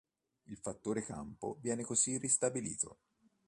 Il fattore campo viene così ristabilito.